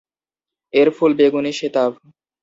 এর ফুল বেগুনি শ্বেতাভ।